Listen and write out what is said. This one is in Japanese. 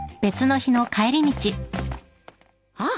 あっ！